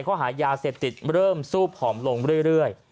ข้อหายาเสพติดเริ่มสู้ผอมลงเรื่อย